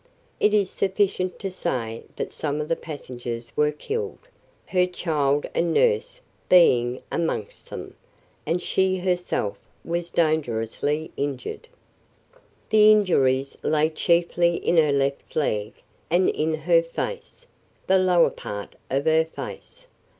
It is sufficient to say that some of the passengers were killed, her child and nurse being amongst them, and she herself was dangerously injured. The injuries lay chiefly in her left leg and in her face the lower part of her face.